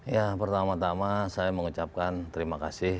ya pertama tama saya mengucapkan terima kasih